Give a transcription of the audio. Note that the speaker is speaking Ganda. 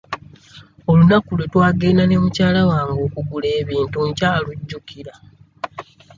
Olunaku lwe twagenda ne mukyala wange okugula ebintu nkyalujjukira.